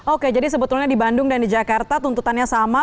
oke jadi sebetulnya di bandung dan di jakarta tuntutannya sama